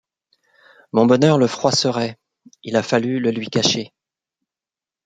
Mon bonheur le froisserait, il a fallu le lui cacher.